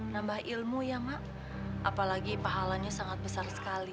nambah ilmu ya mak apalagi pahalanya sangat besar sekali